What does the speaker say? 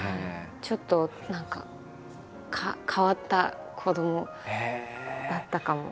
ちょっと何か変わった子どもだったかも。